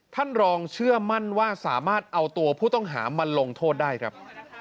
ท่านรองเชื่อมั่นว่าสามารถเอาตัวผู้ต้องหามาลงโทษได้ครับ